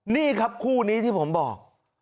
นี่ครับคู่นี้ที่ผมบอก